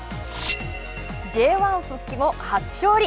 Ｊ１復帰後、初勝利！